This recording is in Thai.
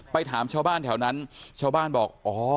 ถามชาวบ้านแถวนั้นชาวบ้านบอกอ๋อ